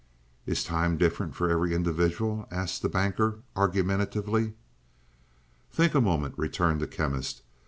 '" "Is time different for every individual?" asked the Banker argumentatively. "Think a moment," returned the Chemist.